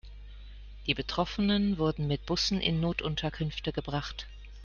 Die Betroffenen wurden mit Bussen in Notunterkünfte gebracht.